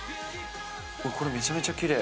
これ、めちゃめちゃきれい。